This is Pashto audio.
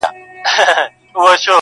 له امیده یې د زړه خونه خالي سوه!